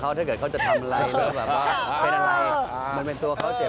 เพราะถ้าเกิดเขาจะทำอะไรเป็นอะไรมันเป็นตัวเขาเจ็บ